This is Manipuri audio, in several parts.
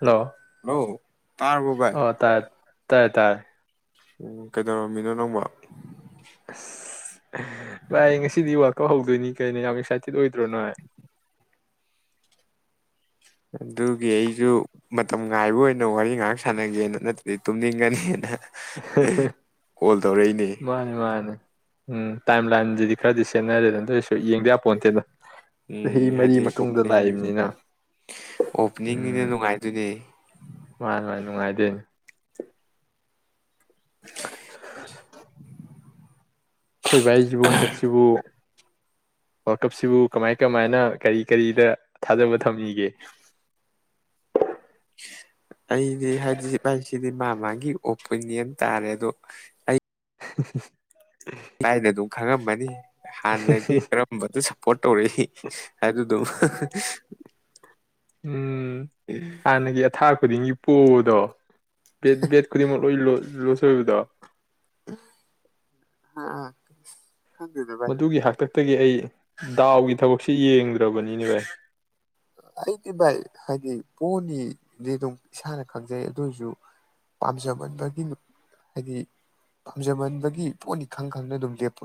ꯍꯜꯂꯣ ꯍꯜꯂꯣ ꯇꯥꯔꯔꯕꯕꯥ ꯇꯥꯏ ꯇꯥꯏ ꯎꯝ ꯀꯩꯗꯧꯔꯝꯃꯤꯅꯣ ꯅꯪꯃ ꯚꯥꯏ ꯉꯁꯤꯗꯤ ꯋꯥꯋꯥꯛꯀꯧꯍꯧꯗꯣꯏꯅꯤ ꯀꯩꯅ ꯌꯥꯝ ꯑꯦꯛꯁꯥꯏꯇꯦꯠ ꯑꯣꯏꯗ꯭ꯔꯣꯅ ꯑꯗꯨꯒꯤ ꯑꯩꯁꯨ ꯃꯇꯝ ꯉꯥꯏꯕ ꯑꯣꯏꯅ ꯋꯥꯔꯤ ꯉꯥꯏꯍꯥꯛ ꯁꯥꯟꯅꯒꯦꯅ ꯅꯠꯇ꯭ꯔꯗꯤ ꯇꯨꯝꯅꯤꯡꯒꯅꯤꯅ ꯃꯥꯅꯤ ꯃꯥꯅꯤ ꯎꯝ ꯇꯥꯏꯝ ꯂꯥꯏꯟꯁꯤꯗꯤ ꯈꯔꯗꯤ ꯁꯦꯟꯅꯔꯦꯗꯅ ꯑꯗꯨꯗꯏꯔꯁꯨ ꯌꯦꯡꯗ ꯌꯥꯕꯄꯣꯟꯇꯦꯗꯣ ꯎꯝ ꯍꯥꯏꯗꯤ ꯑꯣꯄꯅꯤꯡ ꯂꯥꯛꯏꯕꯅꯤꯅ ꯑꯣꯄꯅꯤꯡꯅꯤꯅ ꯎꯝ ꯅꯨꯡꯉꯥꯏꯗꯣꯏꯅꯦ ꯃꯥꯅꯦ [unintelligible] [unintelligible] ꯑꯩꯈꯣꯏꯕꯥꯏ ꯁꯤꯕꯨ ꯍꯟꯗꯛꯁꯤꯕꯨ ꯋꯥꯔꯜ ꯀꯞꯁꯤꯕꯨ ꯀꯃꯥꯏ ꯀꯃꯥꯏꯅ ꯀꯔꯤ ꯀꯔꯤꯗ ꯊꯥꯖꯕ ꯊꯝꯅꯤꯒꯦ ꯑꯩꯗꯤ ꯍꯥꯏꯗꯤ ꯍꯥꯏꯗꯤ ꯃꯥ ꯃꯥꯒꯤ ꯑꯣꯄꯤꯅꯤꯌꯟ ꯇꯥꯔꯦ ꯑꯗꯣ ꯑꯩ [unintelligible] [unintelligible] ꯈꯪꯉꯝꯃꯅꯤ ꯍꯥꯟꯅꯗꯒꯤ ꯀꯔꯝꯕꯗ ꯁꯞꯄꯣꯔꯠ ꯇꯧꯔꯛꯏ ꯍꯥꯏ ꯑꯗꯨꯝ ꯎꯝ ꯍꯅꯒꯤ ꯑꯊꯥ ꯈꯨꯗꯤꯡꯒꯤ ꯄꯣꯛꯕꯗꯣ ꯕꯦꯠ ꯕꯦꯠ ꯈꯨꯗꯤꯡꯃꯛ ꯂꯣꯏ ꯂꯣꯠꯁ ꯑꯣꯏꯕꯗꯣ ꯑꯥ ꯃꯗꯨꯒꯤ ꯍꯥꯛꯇ ꯇꯒꯤ ꯑꯩ ꯗꯥꯎꯒꯤ ꯊꯕꯛꯁꯤ ꯌꯦꯡꯗ꯭ꯔꯕꯅꯤꯅꯦ ꯚꯥꯏ ꯑꯩꯗꯤ ꯚꯥꯏ ꯍꯥꯏꯗꯤ ꯄꯣꯅꯤꯗꯤ ꯑꯗꯨꯝ ꯏꯁꯥꯅ ꯈꯪꯖꯩ ꯑꯗꯨ ꯑꯣꯏꯔꯁꯨ ꯄꯥꯝꯖꯃꯟꯕꯒꯤ ꯍꯥꯏꯗꯤ ꯄꯥꯝꯖꯃꯟꯕꯒꯤ ꯄꯣꯠꯅꯤ ꯈꯪ ꯈꯪꯅ ꯑꯗꯨꯝ ꯂꯦꯞꯄꯣ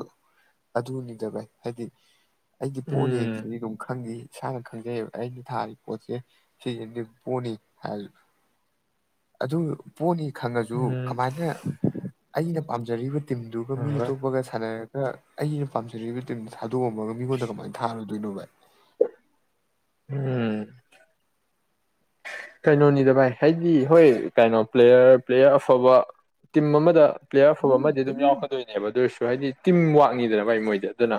ꯑꯗꯨꯅꯤꯗ ꯚꯥꯏ ꯍꯥꯏꯗꯤ ꯑꯩꯗꯤ ꯎꯝ ꯄꯣꯠꯅꯦꯁꯤꯗꯤ ꯑꯗꯨꯝ ꯈꯪꯉꯤ ꯏꯁꯥꯅ ꯈꯪꯖꯩꯑꯕ ꯑꯩꯅ ꯊꯥꯔꯤꯕ ꯄꯣꯠꯁꯦ ꯁꯤꯗꯤ ꯄꯣꯅꯤ ꯍꯥꯏꯔꯤꯕ ꯑꯗꯨ ꯄꯣꯅꯤ ꯈꯪꯉꯁꯨ ꯎꯝ ꯀꯃꯥꯏꯅ ꯑꯩꯅ ꯄꯥꯝꯖꯔꯤꯕ ꯇꯤꯝꯗꯨꯒ ꯍꯣꯏ ꯃꯤꯇꯣꯛꯄꯒ ꯁꯅ ꯑ ꯑꯩꯅ ꯄꯥꯝꯖꯔꯤꯕꯕ ꯇꯤꯝꯗ ꯊꯥꯗꯣꯛꯑꯝꯃꯒ ꯃꯤꯉꯣꯟꯗ ꯀꯃꯥꯏꯅ ꯊꯥꯔꯗꯣꯏꯅꯣ ꯚꯥꯏ ꯎꯝ ꯀꯩꯅꯣꯅꯤꯗ ꯚꯥꯏ ꯍꯥꯏꯗꯤ ꯍꯣꯏ ꯀꯩꯅꯣ ꯄ꯭ꯂꯦꯌꯔ ꯄ꯭ꯂꯦꯌꯔ ꯑꯐꯕ ꯇꯤꯝ ꯑꯃꯗ ꯄ꯭ꯂꯦꯌꯔ ꯑꯐꯕ ꯑꯃꯗꯤ ꯑꯗꯨꯝ ꯌꯥꯎꯔꯛꯀꯗꯣꯏꯅꯦꯕ ꯑꯗꯨꯔꯁꯨ ꯍꯥꯏꯗꯤ ꯇꯤꯝ ꯋꯥꯛꯅꯤꯗꯅ ꯚꯥꯏ ꯃꯣꯏꯗꯤ ꯑꯗꯨꯅ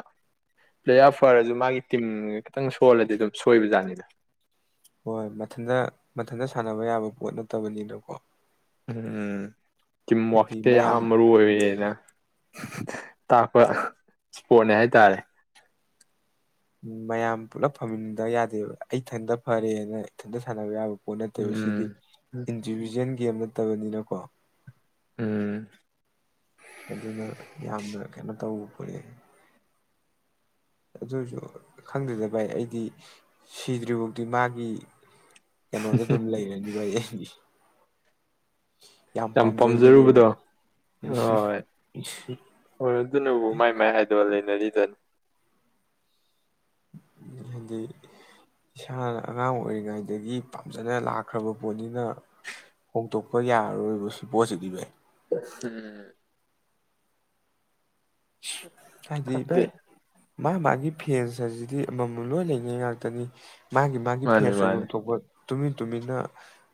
ꯄ꯭ꯂꯦꯌꯔ ꯐꯔꯁꯨ ꯃꯥꯒꯤ ꯇꯤꯝ ꯈꯤꯇꯪ ꯁꯣꯜꯂꯗꯤ ꯑꯗꯨꯝ ꯁꯣꯏꯕꯖꯥꯠꯅꯤꯅꯦ ꯍꯣꯏ ꯃꯊꯟꯗ ꯃꯊꯟꯇ ꯁꯥꯟꯅꯕ ꯌꯥꯕ ꯄꯣꯠ ꯅꯠꯇꯕꯅꯤꯅꯀꯣ ꯎꯝ ꯍꯥꯏꯗꯤ ꯇꯤꯝꯋꯥꯛꯁꯦ ꯌꯥꯝ ꯃꯌꯥꯝ ꯃꯔꯨ ꯑꯣꯏꯌꯦꯅ ꯇꯥꯛꯄ ꯏꯁꯄꯣꯠꯅꯦ ꯍꯥꯏꯇꯥꯔꯦ ꯎ ꯃꯌꯥꯝ ꯄꯨꯂꯞ ꯐꯝꯃꯤꯟꯗ ꯌꯥꯗꯦꯕ ꯑꯩ ꯏꯊꯟꯇ ꯐꯔꯦꯅ ꯏꯊꯟꯇ ꯁꯥꯟꯅꯕ ꯌꯥꯕ ꯄꯠ ꯅꯠꯇꯦꯕ ꯎꯝ ꯁꯤꯗꯤ ꯏꯟꯗꯤꯕꯤꯖꯨꯋꯦꯜ ꯒꯦꯝ ꯅꯠꯇꯕꯅꯤꯅꯀꯣ ꯎꯝ ꯑꯗꯨꯅ ꯌꯥꯝꯅ ꯀꯩꯅꯣ ꯇꯧꯕ ꯈꯣꯠ ꯑꯗꯨꯁꯨ ꯈꯪꯗꯗ ꯚꯥꯏ ꯑꯩꯗꯤ ꯁꯤꯗ꯭ꯔꯤꯐꯥꯎꯗꯤ ꯃꯥꯒꯤ ꯀꯩꯅꯣꯗ ꯑꯗꯨꯝ ꯂꯩꯔꯅꯤ ꯒꯤ ꯌꯥꯝ ꯄꯥꯝꯖꯔꯨꯕꯗꯣ ꯍꯣꯏ ꯍꯣꯏ ꯑꯗꯨꯅꯕꯨ ꯃꯥꯏ ꯃꯥꯏ ꯍꯥꯏ ꯋꯥ ꯂꯩꯦꯅꯔꯤꯗꯅꯤ ꯍꯥꯏꯗꯤ ꯏꯁꯥꯅ ꯑꯉꯥꯡ ꯑꯣꯏꯔꯤꯉꯩꯗꯒꯤ ꯄꯥꯝꯖꯅ ꯂꯥꯛꯈ꯭ꯔꯕ ꯄꯣꯠꯅꯤꯅ ꯍꯣꯡꯇꯣꯛꯄ ꯌꯥꯔꯔꯣꯏꯕ ꯁꯤ ꯄꯣꯠꯁꯤꯗꯤꯚꯥꯏ ꯎꯝ ꯍꯥꯏꯗꯤ ꯊꯪꯦ ꯚꯥꯏ ꯃꯥ ꯃꯥꯒꯤ ꯐꯦꯟꯁ ꯍꯥꯏꯁꯤꯗꯤ ꯑꯃꯃꯝ ꯂꯣꯏ ꯂꯩꯉꯩ ꯉꯥꯛꯇꯅꯤ ꯃꯥꯒꯤ ꯃꯥꯒꯤ ꯃꯥꯅꯤ ꯐꯦꯁꯁꯨ ꯃꯥꯅꯤ ꯌꯣꯝꯊꯣꯛꯄ ꯇꯨꯃꯤꯟ ꯇꯨꯃꯤꯟꯅ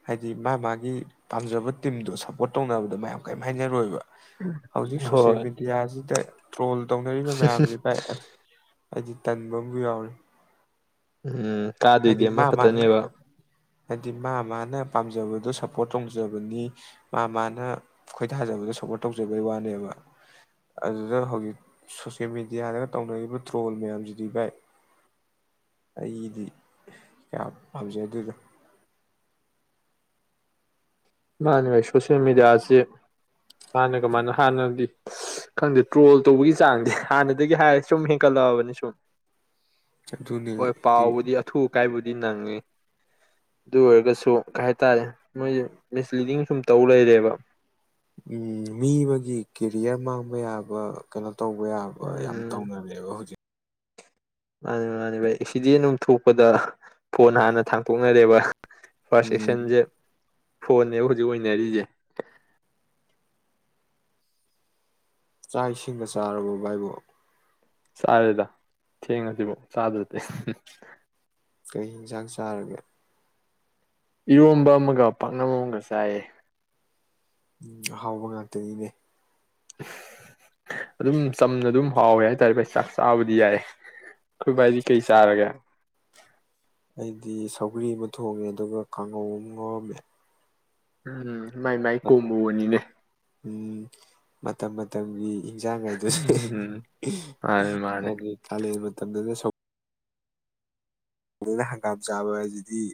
ꯍꯥꯏꯗꯤ ꯃꯥ ꯃꯥꯒꯤ ꯄꯥꯝꯖꯕ ꯇꯤꯝꯗꯣ ꯁꯞꯄꯣꯔꯠ ꯇꯧꯅꯕꯗ ꯃꯌꯥꯝ ꯀꯔꯤꯝ ꯍꯥꯏꯅꯔꯣꯏꯕ ꯍꯧꯖꯤꯛ ꯁꯣꯁꯌꯦꯦꯜ ꯍꯣꯏ ꯃꯦꯗꯤꯌꯥꯁꯤꯗ ꯇ꯭ꯔꯣꯜ ꯇꯧꯅꯔꯤꯕ ꯃꯌꯥꯝꯁꯦ ꯚꯥꯏ ꯑꯁ ꯑꯩꯗꯤ ꯇꯟꯕ ꯑꯃꯁꯨ ꯌꯥꯎꯔꯤ ꯎꯝ ꯇꯥꯗꯣꯏꯗꯤ ꯑꯃꯈꯛꯇꯅꯦꯕ ꯍꯥꯏꯗꯤ ꯃꯥ ꯃꯥꯅ ꯄꯥꯝꯖꯕꯗꯣ ꯁꯞꯄꯣꯔꯠ ꯇꯧꯖꯕꯅꯤ ꯃꯥ ꯃꯥꯅ ꯈꯣꯏ ꯊꯥꯖꯕꯗꯣ ꯁꯞꯄꯣꯔꯠ ꯇꯧꯖꯕꯩ ꯋꯥꯅꯦꯕ ꯑꯗꯨꯗ ꯍꯧꯖꯤꯛ ꯁꯣꯁꯌꯦꯜ ꯃꯦꯗꯤꯌꯥꯗꯒ ꯇꯧꯅꯔꯤꯕ ꯇ꯭ꯔꯣꯜ ꯃꯌꯥꯝꯁꯤꯗꯤ ꯚꯥꯏ ꯑꯩꯗꯤ ꯀꯌꯥ ꯄꯥꯝꯖꯩ ꯑꯗꯨꯗ ꯏꯅꯦ ꯑꯩ ꯁꯣꯁꯦꯜ ꯃꯦꯗꯤꯌꯥꯁ ꯍꯥꯟꯅ ꯀꯃꯥꯏꯅ ꯍꯥꯟꯅꯗꯤ ꯈꯪꯗꯦ ꯇ꯭ꯔꯣꯜ ꯇꯧꯕꯒꯤ ꯆꯥꯡꯗꯤ ꯍꯥꯟꯅꯗꯒꯤ ꯍꯥꯏꯔ ꯁꯨꯝ ꯍꯦꯟꯀꯠꯂꯛꯑꯕꯅꯤ ꯁꯨꯝ ꯑꯗꯨꯅꯦ ꯍꯣꯏ ꯍꯥꯏꯗꯤ ꯄꯥꯎꯕꯨꯗꯤ ꯑꯊꯨ ꯑꯀꯥꯏꯕꯨꯗꯤ ꯅꯪꯉꯤ ꯑꯗꯨ ꯑꯣꯏꯔꯒꯁꯨ ꯀꯩ ꯍꯥꯏꯇꯥꯔꯦ ꯃꯣꯏꯁ ꯃꯤꯁꯂꯤꯗꯤꯡ ꯁꯨꯝ ꯇꯧ ꯂꯩꯔꯦꯕ ꯎꯝ ꯃꯤ ꯑꯃꯒꯤ ꯀꯦꯔꯤꯌꯔ ꯃꯥꯡꯕ ꯌꯥꯕ ꯀꯩꯅꯣ ꯇꯧꯕ ꯌꯥꯕ ꯌꯥꯝ ꯎꯝ ꯇꯧꯅꯔꯦꯕ ꯍꯧꯖꯤꯛ ꯃꯥꯅꯤ ꯃꯥꯅꯤ ꯚ ꯑꯦꯛꯁꯤꯗꯦꯟ ꯑꯃ ꯊꯣꯛꯄꯗ ꯐꯣꯟ ꯍꯥꯟꯅ ꯊꯥꯡꯇꯣꯛꯅꯔꯦꯕ ꯐꯥꯔꯁ ꯎꯝ ꯑꯦꯛꯁꯆꯦꯟꯖꯦ ꯐꯣꯟꯅꯦꯕ ꯍꯧꯖꯤꯛ ꯑꯣꯏꯅꯔꯤꯁꯦ ꯆꯥꯛ ꯏꯁꯤꯡꯒ ꯆꯥꯔꯕꯣ ꯚꯏꯕꯣ ꯁꯔꯦ ꯇ ꯊ ꯐꯧ ꯆꯗꯠꯇ ꯀꯩ ꯌꯦꯟꯁꯥꯡ ꯆꯥꯔꯒꯦ ꯏꯔꯣꯝꯕ ꯑꯃꯒ ꯄꯥꯛꯅꯝ ꯑꯃꯒ ꯆꯥꯏꯌꯦ ꯎꯝ ꯑꯍꯥꯎꯕ ꯉꯥꯛꯇꯅꯤꯅꯦ ꯑꯗꯨꯝ ꯆꯝꯅ ꯑꯗꯨꯝ ꯍꯥꯎꯋꯦ ꯍꯥꯏꯇꯥꯔꯦ ꯚ ꯆꯥꯛ ꯆꯥꯕꯗꯤ ꯌꯥꯏ ꯑꯩꯈꯣꯏ ꯚꯏꯗꯤ ꯀꯩ ꯆꯥꯔꯒꯦ ꯑꯩꯗꯤ ꯁꯧꯒ꯭ꯔꯤ ꯑꯃ ꯊꯣꯡꯉꯦ ꯑꯗꯨꯒ ꯀꯥꯡꯉꯧ ꯑꯃ ꯉꯥꯎꯔꯝꯃꯦ ꯎꯝ ꯃꯥꯏ ꯃꯥꯏ ꯀꯣꯝꯃꯨꯕꯅꯤꯅꯦ ꯎꯝ ꯃꯇꯝ ꯃꯇꯝꯒꯤ ꯏꯟꯖꯥꯡꯈꯩꯗꯨ ꯎꯝ ꯃꯥꯅꯦ ꯃꯥꯅꯦ ꯍꯥꯏ ꯀꯥꯂꯦꯟ ꯃꯇꯝꯗꯅ ꯁ ꯑꯩꯅ ꯍꯪꯒꯥꯝ ꯆꯥꯕ ꯍꯥꯏꯁꯤꯗꯤ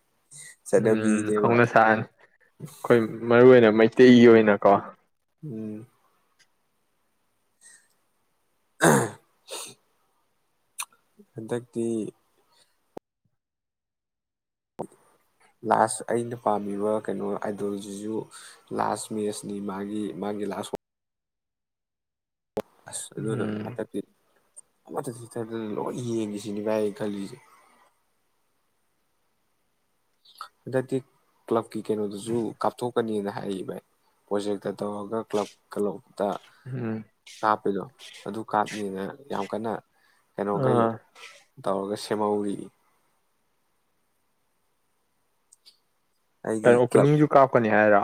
ꯎꯝ ꯆꯠꯅꯕꯤꯅꯦꯕ ꯍꯧꯅ ꯁꯅꯤ ꯑꯩꯈꯣꯏ ꯃꯔꯨꯏ ꯑꯣꯏꯅ ꯃꯩ ꯅꯨꯡꯇꯤꯒꯤ ꯑꯣꯏꯅꯀꯣ ꯎꯝ [inaudible] ꯍꯟꯗꯛꯇꯤ ꯂꯥꯁ ꯑꯩꯅ ꯄꯥꯝꯃꯤꯕ ꯀꯩꯅꯣ ꯑꯥꯏꯗꯤꯣꯂꯣꯖꯤꯁꯨ ꯂꯥꯁ ꯃꯦꯁꯅꯤ ꯃꯥꯒꯤ ꯃꯥꯒꯤ ꯂꯥꯁ ꯑ ꯑꯗꯨꯅ ꯎꯝ ꯍꯠꯇꯄꯤ ꯂꯣꯏ ꯌꯦꯡꯉꯁꯤꯅꯦꯚꯥꯏ ꯈꯜꯂꯤꯁꯦ ꯍꯟꯗꯛꯇꯤ ꯀ꯭ꯂꯕꯀꯤ ꯀꯩꯅꯣꯗꯨꯁꯨ ꯀꯥꯞꯊꯣꯛꯀꯅꯤꯅ ꯍꯥꯏꯛ ꯚꯥꯏ ꯄ꯭ꯔꯣꯖꯦꯛꯇ ꯇꯧꯔꯒ ꯀ꯭ꯂꯕ ꯀꯩꯅꯣꯇ ꯎꯝ ꯀꯥꯞꯄꯗꯣ ꯑꯗꯨ ꯀꯥꯞꯅꯦꯅ ꯌꯥꯝ ꯀꯟꯅ ꯀꯩꯅꯣꯈꯩ ꯑ ꯇꯧꯔꯒ ꯁꯦꯝꯍꯧꯔꯤ ꯎꯅꯤꯁꯨ ꯀꯥ ꯀꯀꯅꯤ ꯍꯥꯏꯔ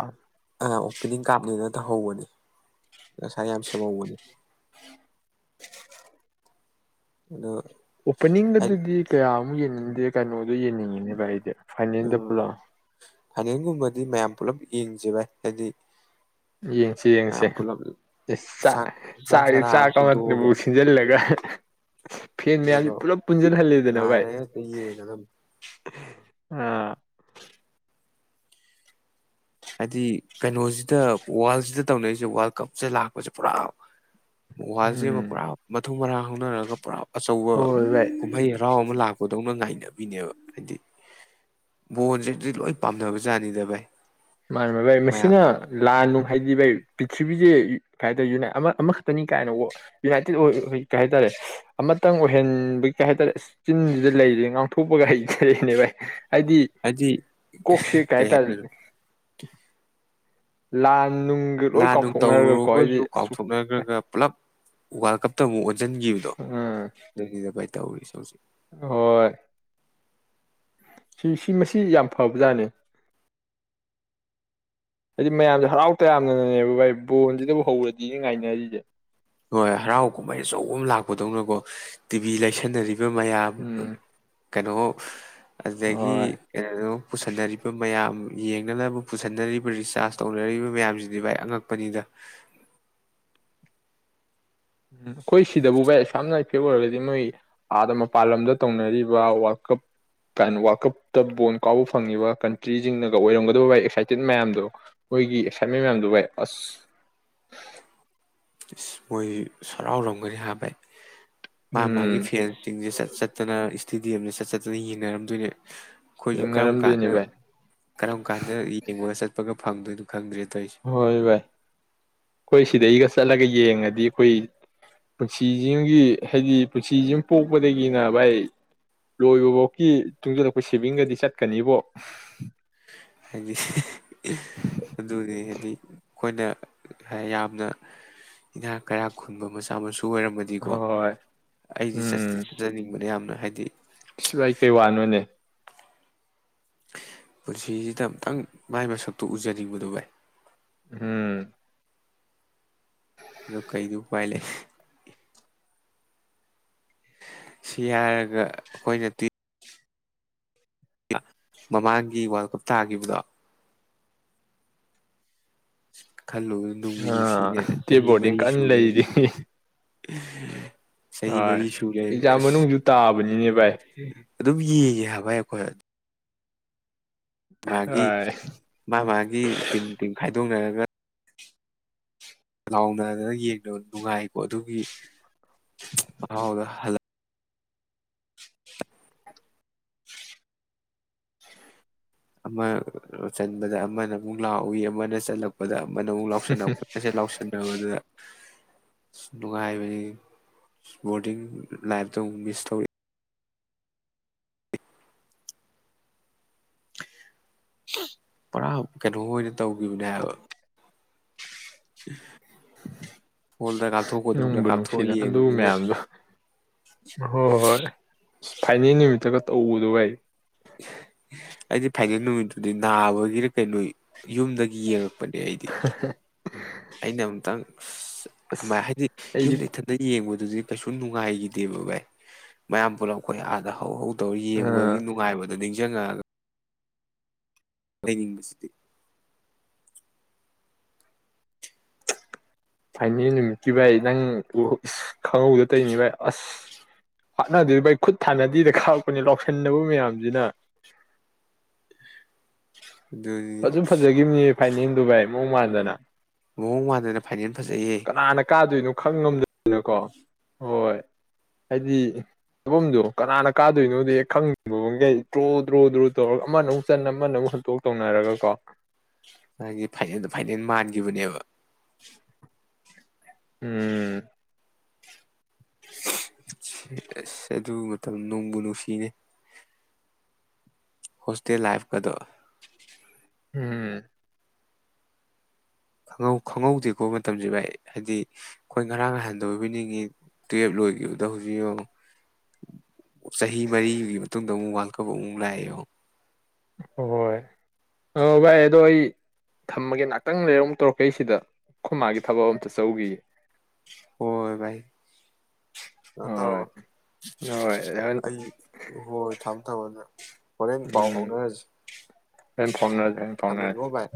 ꯑ ꯑꯣꯄꯦꯅꯤꯡ ꯀꯥꯞꯅꯤꯅ ꯇꯧꯍꯧꯕꯅꯤ ꯉꯁꯥꯏ ꯌꯥꯝ ꯁꯦꯝꯍꯧꯕꯅꯤ ꯑꯩꯅꯣ ꯑꯣꯄꯅꯤꯡꯗ ꯑꯗꯨꯗꯤ ꯀꯌꯥꯃꯨꯛ ꯌꯦꯡꯅꯤꯡꯦ ꯗꯤ ꯀꯩꯅꯣꯗꯣ ꯌꯦꯡꯅꯤꯡꯉꯤꯅꯦꯕ ꯑꯩꯗꯤ ꯐꯅꯤꯟ ꯇ ꯄꯨꯂꯣ ꯐꯥꯏꯅꯜꯒꯨꯝꯕꯗꯤ ꯃꯌꯥꯝ ꯄꯨꯂꯞ ꯌꯦꯡꯖꯕ ꯍꯥꯏꯗꯤ ꯌꯦꯡꯁꯤ ꯌꯦꯡꯁꯤ ꯃꯌꯥꯝ ꯄꯨꯂꯞ ꯑꯦ ꯆꯥꯛ ꯆꯥꯛ ꯆꯥꯛꯁꯦ ꯆꯔꯥ ꯑꯃ ꯆꯥꯛꯕꯨꯥꯎ ꯁꯤꯟꯗꯣꯛꯑꯒ ꯁꯤꯟꯖꯜꯂꯒ ꯐꯦꯟ ꯑꯗꯨꯒ ꯃꯌꯥꯝꯁꯤꯦ ꯄꯨꯂꯞ ꯄꯨꯟꯁꯤꯟꯍꯜꯂꯤꯗꯅ ꯚꯥꯏ ꯉꯥꯏꯔꯒ ꯍꯦꯛꯇ ꯌꯦꯡꯒꯗꯕꯅꯤ ꯑꯥ ꯍꯥꯏꯗꯤ ꯀꯩꯅꯣꯁꯤꯗ ꯋꯥꯔꯜꯁꯤꯗ ꯇꯧꯅꯔꯤꯁꯦ ꯋꯥꯔꯜ ꯀꯞꯁꯦ ꯂꯥꯛꯄꯁꯦ ꯄꯨꯔꯥ ꯋꯥꯜꯁꯤꯕ ꯎꯝ ꯄꯨꯔꯥ ꯃꯊꯨ ꯃꯔꯥꯡ ꯍꯧꯅꯔꯒ ꯄꯨꯔꯥ ꯑꯆꯧꯕ ꯍꯣꯏ ꯚꯥꯏ ꯀꯨꯝꯍꯩ ꯍꯔꯥꯎ ꯑꯃ ꯂꯥꯛꯄꯗꯧꯅ ꯉꯥꯏꯅꯕꯤꯅꯦꯕ ꯍꯥꯏꯗꯤ ꯕꯣꯟꯁꯤꯗꯤ ꯂꯣꯏ ꯄꯥꯝꯅꯕꯖꯥꯅꯤꯗ ꯚꯥꯏ ꯃꯥꯅꯦ ꯃꯥꯚꯥꯏ ꯃꯌꯥꯝ ꯃꯁꯤꯅ ꯂꯥꯟꯅꯨ ꯍꯥꯏꯗꯤ ꯚꯥꯏ ꯄ꯭ꯔꯤꯊꯤꯔꯤꯕꯕꯤꯁꯦ ꯀꯩ ꯍꯥꯏꯇꯥꯔꯦꯨꯅꯥꯏ ꯑꯃꯈꯛꯇꯅꯤ ꯀꯥꯏꯅꯕꯨ ꯌꯨꯅꯥꯏꯇꯦꯠ ꯑꯣꯏ ꯀꯩ ꯍꯥꯏꯇꯥꯔꯦ ꯑꯃꯇꯪ ꯑꯣꯏꯍꯟꯕꯒꯤ ꯀꯩ ꯍꯥꯏꯇꯥꯔꯦ ꯆꯤꯟꯗꯨꯗ ꯂꯩꯔꯤ ꯉꯥꯡꯊꯣꯛꯄꯒ ꯍꯥꯏ ꯂꯩꯅꯦ ꯚꯥꯏ ꯍꯥꯏꯗꯤ ꯍꯥꯏꯗꯤ ꯀꯣꯛꯁꯦ ꯀꯩ ꯍꯥꯏꯇꯥꯔꯦꯅꯦ [inaudible] ꯂꯥꯁ ꯂꯥꯟ ꯅꯨꯡ ꯇꯧꯔꯨꯔꯒꯁꯨ ꯑꯁ ꯀꯥꯎꯊꯣꯛꯅꯈ꯭ꯔꯒ ꯄꯨꯂꯞ ꯋꯥꯔꯜ ꯀꯞꯇ ꯑꯃꯨꯛ ꯑꯣꯟꯁꯤꯟꯈꯤꯕꯗꯣ ꯎꯝ ꯅꯗ ꯇꯧꯔꯤꯁ ꯍꯧꯖꯤꯛ ꯍꯣꯏ ꯁꯤ ꯁꯤ ꯃꯁꯤ ꯌꯥꯝ ꯐꯕꯖꯥꯠꯅꯦ ꯍꯥꯏꯗꯤ ꯃꯌꯥꯝꯁꯦ ꯍꯔꯥꯎ ꯇꯌꯥꯝꯅꯅꯅꯦꯕ ꯚꯥꯏ ꯕꯣꯟꯁꯤꯗꯕꯨ ꯍꯧꯔꯗꯤꯅꯦ ꯉꯥꯏꯅꯔꯤꯁꯦ ꯍꯣꯏ ꯍꯔꯥꯎ ꯀꯨꯝꯍꯩ ꯑꯆꯧꯕ ꯑꯃ ꯂꯥꯛꯄꯗꯧꯅꯀꯣ ꯇꯤꯚꯤ ꯂꯩꯁꯟꯅꯔꯤ ꯑꯗꯨ ꯃꯌꯥꯝ ꯎꯝ ꯀꯩꯅꯣ ꯑꯗꯨꯗꯒꯤ ꯍꯣꯏ ꯀꯩꯅꯣ ꯄꯨꯁꯟꯅꯔꯤꯕ ꯃꯌꯥꯝ ꯌꯦꯡꯅꯅꯕ ꯄꯨꯁꯤꯟꯅꯔꯤꯕ ꯔꯤꯆꯥꯔꯖ ꯇꯧꯅꯔꯤꯕ ꯃꯌꯥꯝꯁꯤꯗꯤ ꯚꯥꯏ ꯑꯉꯛꯄꯅꯤꯗ ꯑꯩꯈꯣꯏ ꯁꯤꯗꯕꯨ ꯚꯥꯏꯁꯥꯝ ꯏꯐꯦ ꯑꯣꯏꯔꯒꯗꯤ ꯃꯣꯏ ꯑꯥꯗ ꯃꯄꯥꯟ ꯂꯝꯗ ꯇꯧꯅꯔꯤꯕ ꯋꯥꯔꯜ ꯀꯞ ꯀ ꯋꯥꯔꯜ ꯀꯞꯇ ꯕꯣꯣꯟ ꯀꯥꯎꯕ ꯐꯪꯉꯤꯕ ꯀꯟꯇ꯭ꯔꯤꯁꯤꯡꯅꯒ ꯑꯣꯏꯔꯝꯒꯗꯕ ꯚꯥꯏ ꯑꯦꯛꯁꯥꯏꯇꯦꯟ ꯃꯌꯥꯝꯗꯣ ꯃꯣꯏꯒꯤ ꯑꯦꯛꯁꯥꯏꯠꯃꯦꯟ ꯃꯌꯥꯝꯗꯣ ꯚꯥꯏ ꯑꯁ ꯃꯣꯏ ꯁꯔꯥꯎꯔꯝꯒꯅꯤ ꯍꯥꯏꯦ ꯃꯥ ꯃꯥꯒꯤ ꯎꯝ ꯐꯦꯟꯁꯤꯡꯁꯦ ꯆꯠ ꯆꯠꯇꯅ ꯏꯁꯇꯤꯗꯤ ꯑꯦꯝꯗ ꯆꯠ ꯆꯠꯇꯅ ꯌꯦꯡꯟꯅꯔꯝꯗꯣꯏꯅꯦ ꯑꯩꯈꯣꯏꯁꯨ ꯀꯔꯝ ꯌꯦꯡꯅꯔꯝꯗꯣꯏꯅꯦ ꯀꯥꯟꯗ ꯚꯥꯏ ꯀꯔꯝ ꯀꯥꯟꯗ ꯌꯦꯡꯉꯒ ꯆꯠꯄꯒ ꯐꯪꯗꯣꯏꯅꯣ ꯈꯪꯗ꯭ꯔꯦ ꯇꯧꯔꯤꯁꯦ ꯍꯣꯏ ꯚꯥꯏ ꯀꯣꯏ ꯁꯤꯗꯩ ꯏꯒꯁ ꯆꯂꯒ ꯌꯦꯡꯉꯗꯤ ꯑꯩꯈꯣꯏ ꯄꯨꯟꯁꯤꯁꯤꯡꯒꯤ ꯍꯥꯏꯗꯤ ꯄꯨꯟꯁꯤꯁꯤ ꯄꯣꯛꯄꯗꯒꯤꯅ ꯚꯥꯏ ꯂꯣꯏꯕꯐꯧꯀꯤ ꯇꯨꯡꯁꯤꯜꯂꯛꯄ ꯁꯦꯚꯤꯡꯒꯗꯤ ꯆꯠꯀꯅꯤꯕꯣ ꯍꯥꯏꯗꯤ ꯑꯗꯨꯅꯤ ꯍꯥꯏꯗꯤ ꯑꯩꯈꯣꯏꯅ ꯌꯥꯝꯅ ꯏꯅꯥꯛ ꯀꯩꯔꯥꯛ ꯈꯨꯟꯕ ꯃꯆꯥ ꯃꯁꯨ ꯨ ꯑꯣꯏꯔꯝꯃꯗꯤꯀꯣ ꯍꯣꯏ ꯑꯩꯗꯤ ꯆ ꯆꯠꯆꯅꯤꯡꯕꯅ ꯌꯥꯝꯅ ꯍꯥꯏꯗꯤ ꯁꯤꯚꯏ ꯀꯩ ꯋꯥꯅꯣꯅꯦ ꯄꯨꯟꯁꯤꯁꯤꯗ ꯑꯃꯨꯛꯇꯪ ꯃꯥꯏ ꯃꯁꯛꯇꯨ ꯎꯖꯅꯤꯡꯕꯗꯨ ꯚꯥꯏ ꯎꯝ ꯑꯗꯣ ꯀꯩꯗꯤ ꯎꯄꯥꯏ ꯂꯩ ꯁꯤ ꯍꯥꯏꯔꯒ ꯑꯩꯈꯣꯏꯅ ꯇꯤ ꯃꯃꯥꯡꯒꯤ ꯋꯥꯔꯜ ꯀꯞ ꯊꯥꯈꯤꯕꯗꯣ ꯁꯤ ꯈꯜꯂꯨꯕ ꯅꯣꯡꯃꯨ ꯑꯥ ꯅꯨꯡꯁꯤꯅꯦ ꯗꯦ ꯆꯍꯤ ꯕꯣꯔꯗꯤꯡ ꯃꯔꯤ ꯁ ꯀꯟꯅ ꯂꯩ ꯂꯩꯔꯤ ꯆꯍꯤ ꯍꯣꯏ ꯃꯔꯤ ꯁ ꯂꯩꯃꯦ ꯑꯦꯛꯖꯥꯝ ꯑꯁ ꯃꯅꯨꯡꯁꯨ ꯇꯥꯕꯅꯤꯅꯦ ꯚꯥꯏ ꯑꯗꯨꯝ ꯌꯦꯡꯉꯦ ꯍꯥꯏꯕꯩ ꯑꯩꯈꯣꯏ ꯃꯥꯒꯤ ꯍꯣꯏ ꯃꯥ ꯃꯥꯒꯤ ꯇꯤꯝ ꯇꯤꯝ ꯈꯥꯏ ꯑꯗꯨꯝꯉꯕ ꯂꯥꯎꯅꯗꯅ ꯌꯦꯡꯅꯕ ꯅꯨꯡꯉꯥꯏꯀꯣ ꯑꯗꯨꯒꯤ ꯃꯍꯥꯎꯗ ꯍꯜꯂꯛ ꯑꯃ ꯆꯟꯕꯗ ꯑꯃꯅ ꯑꯃꯨꯛ ꯂꯥꯛꯎꯏ ꯑꯃꯅ ꯆꯜꯂꯛꯄꯗ ꯃꯧ ꯂꯥꯎꯁꯟꯅ ꯈꯣꯠꯄꯁꯦ ꯂꯥꯎꯁꯟꯅꯕꯗꯨꯗ ꯅꯨꯡꯉꯥꯏꯕꯅꯤ ꯕꯣꯔꯗꯤꯡ ꯂꯥꯏꯞꯇꯣ ꯑꯃꯨꯛ ꯃꯤꯁ ꯇꯧꯔꯛ ꯄꯨꯔꯥ ꯀꯩꯅꯣ ꯑꯣꯏꯅ ꯇꯧꯈꯤꯕꯅꯦ ꯍꯥꯏꯕ ꯎ ꯅꯨꯡꯕꯨ ꯀꯥꯞꯊꯣꯛꯑ ꯅꯨꯡꯁꯤꯗ ꯑꯗꯨ ꯌꯦꯡꯉꯕꯅꯤꯅ ꯃꯌꯥꯝꯗꯣ ꯍꯣꯏ ꯍꯣꯏ ꯐꯥꯏꯅꯦꯜ ꯅꯨꯃꯤꯠꯇꯒ ꯇꯧꯕꯗꯣ ꯑꯩ ꯑꯩꯗꯤ ꯐꯥꯏꯅꯦꯜ ꯅꯨꯃꯤꯠꯇꯨꯗꯤ ꯅꯥꯕꯒꯤꯔ ꯀꯩꯅꯣ ꯌꯨꯝꯗꯒꯤ ꯌꯦꯡꯉꯛꯄ ꯅꯦ ꯑꯩꯗꯤ ꯑꯩꯅ ꯑꯨꯛꯇꯪ ꯑꯁ ꯍꯥꯏꯗꯤ ꯑꯩꯗꯤ ꯌꯨꯝꯗ ꯏꯊꯟꯇ ꯌꯦꯡꯕ ꯑꯗꯨꯗꯤ ꯀꯩꯁꯨ ꯅꯨꯡꯉꯥꯏꯈꯤꯗꯦꯕ ꯚꯥꯏ ꯃꯌꯥꯝ ꯄꯨꯂꯞ ꯑꯩꯈꯣꯏ ꯑꯥꯗ ꯍꯧ ꯇꯧ ꯑꯥ ꯌꯦꯡꯕꯒꯤ ꯅꯨꯡꯉꯥꯏꯕ ꯑ ꯅꯤꯡꯁꯤꯡꯉꯛꯑꯒ ꯇꯅꯤꯡꯚꯁꯤꯇꯤ ꯍꯥꯏꯥꯏꯅꯦ ꯅꯨꯃꯤꯠꯀꯤ ꯚꯥꯏ ꯅꯪ ꯏꯁ ꯈꯪꯍꯧꯗ ꯇꯧꯅꯤ ꯚꯥꯏ ꯑꯁ ꯋꯥꯠꯅꯗꯣꯏ ꯚꯥꯏ ꯈꯨꯠ ꯊꯥꯅꯗꯗ ꯈꯥꯔꯛꯄꯅꯦ ꯂꯥꯎꯁꯟꯅꯕ ꯃꯌꯥꯝꯁꯤꯅ ꯑꯗꯨ ꯐꯥꯏꯅꯤꯡꯗꯨꯚ ꯃꯣꯡ ꯃꯥꯟꯗꯅ ꯍꯣꯡ ꯃꯥꯗ ꯀꯅꯥꯅ ꯀꯥꯗꯣꯏꯅꯣ ꯈꯪ ꯉꯝꯗꯣꯏꯗꯅ ꯀꯣ ꯍꯣꯏ ꯍꯥꯏꯗꯤ ꯆꯐꯝꯗꯣ ꯀꯅꯥꯅ ꯀꯥꯗꯣꯏꯅꯣꯗꯤ ꯍꯦꯛ ꯈꯪꯗꯕꯒꯩ ꯗ꯭ꯔꯣ ꯗ꯭ꯔꯣ ꯗ꯭ꯔꯣ ꯇꯧꯔꯒ ꯑꯃꯅ ꯑꯃꯨꯛ ꯆꯟꯅ ꯑꯃꯅ ꯑꯃꯨꯛ ꯍꯟꯇꯣꯛ ꯇꯧꯅꯔꯒꯀꯣ ꯃꯥꯒꯤ ꯐꯥꯏꯜꯗ ꯐꯥꯏꯅꯜ ꯃꯒ ꯖꯤꯕꯅꯦꯕ ꯎꯝ ꯁ ꯑꯗꯨ ꯃꯇꯝ ꯅꯣꯡꯕꯨ ꯅꯨꯡꯁꯤꯅꯦ ꯍꯣꯁꯇꯦꯜ ꯂꯥꯏꯐꯀꯗꯣ ꯍꯝ ꯪꯍꯧ ꯈꯪꯍꯧꯗꯦꯀꯣ ꯃꯇꯝꯁꯦ ꯚꯥꯏ ꯍꯥꯏꯗꯤ ꯑꯩꯈꯣꯏ ꯉꯔꯥꯡ ꯉꯥꯏꯍꯟꯊ ꯑꯣꯏꯕꯤꯅꯤꯡꯉꯤ ꯇꯨꯌꯦꯜꯞ ꯂꯣꯏꯈꯤꯕꯗ ꯍꯧꯖꯤꯛ ꯌꯦꯡꯉ ꯆꯍꯤ ꯃꯔꯤꯒꯤ ꯃꯇꯨꯡꯗ ꯑꯃꯨꯛ ꯋꯥꯔꯜ ꯀꯞ ꯑꯃꯨꯛ ꯂꯥꯛꯑꯦ ꯍꯣꯏꯣꯏ ꯑ ꯚꯥꯏ ꯑꯗꯣ ꯑꯩ ꯊꯝꯃꯒꯦ ꯉꯥꯏꯍꯥꯛꯇꯪ ꯂꯩꯔꯣꯨ ꯇꯧꯔꯛꯀꯩ ꯁꯤꯗ ꯈꯨꯃꯒꯤ ꯊꯕꯛ ꯑꯝꯇ ꯆꯧꯈꯤꯌꯦ ꯑꯣꯏꯕꯥ ꯀꯩꯅꯣ ꯍꯣꯏ ꯇꯧꯔꯒ ꯍꯣꯏ ꯍꯣꯔꯦꯟ ꯑꯩ ꯍꯣꯏ ꯊꯝ ꯊꯕꯗ ꯍꯣꯔꯦꯟ ꯄꯥꯎ ꯎꯝ ꯐꯥꯎꯅꯔꯁꯤꯦ ꯍꯣꯔꯦꯟ ꯐꯥꯎꯅꯔꯁꯦ ꯍꯣꯔꯦꯟ ꯐꯥꯎꯅꯔꯁꯦ ꯊꯝꯃꯉꯣ ꯚꯥꯏ